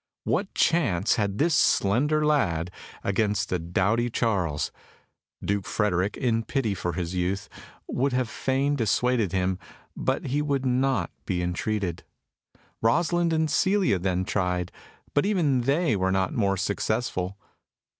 What chance had this slender lad against the doughty Charles? Duke Frederick, in pity for his youth, would fain have dissuaded him, but he would not be entreated. Rosalind and Celia then tried, but even they were not more successful.